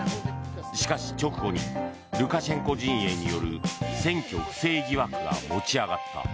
しかし、直後にルカシェンコ陣営による選挙不正疑惑が持ち上がった。